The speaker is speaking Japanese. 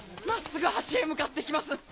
真っすぐ橋へ向かって来ます。